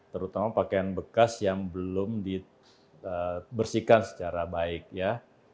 terutama pakaian bekas yang belum dibersihkan secara baik ya